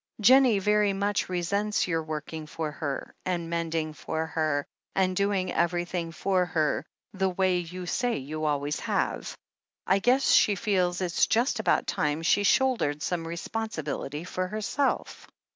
Jennie very much resents your working for her, and mending for her, and doing everything for her, the way you say you always have. I guess she feels it just about time she shouldered some responsibility for her self."